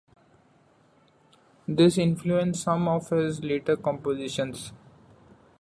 This influenced some of his later compositions.